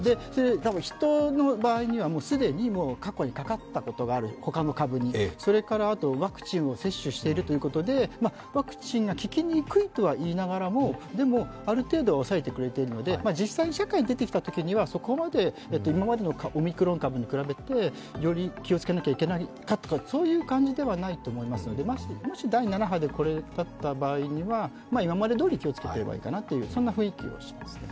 人の場合には既に過去に他の株にかかったことがある、それから、ワクチンを接種しているということで、ワクチンが効きにくいとは言いながらもでも、ある程度は抑えてくれているので、実際社会に出てきたときには、そこまで、今までのオミクロン株に比べてより気をつけなければいけないかというと、そういう感じではないと思いますのでもし第７波でこれだった場合には、今までどおり気をつけていればいいかなという雰囲気をしていますね。